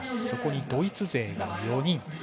そこにドイツ勢が４人。